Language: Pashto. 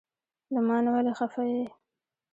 له مانه ولې خفه یی؟